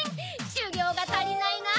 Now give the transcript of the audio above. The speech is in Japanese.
しゅぎょうがたりないな。